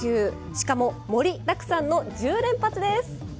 しかも盛りだくさんの１０連発です。